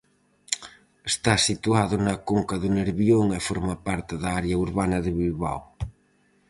Está situado na conca do Nerbión e forma parte da área urbana de Bilbao.